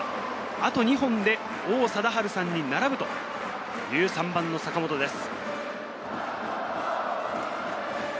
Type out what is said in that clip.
あと２本で王貞治さんに並ぶという、３番の坂本です。